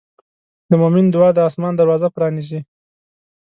د مؤمن دعا د آسمان دروازه پرانیزي.